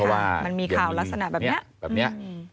มันมีข่าวลักษณะแบบนี้